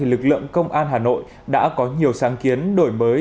lực lượng công an hà nội đã có nhiều sáng kiến đổi mới